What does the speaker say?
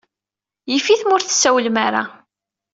Yif-it ma ur tessawlem ara.